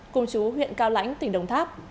cùng chú huyện cao lãnh tỉnh đồng tháp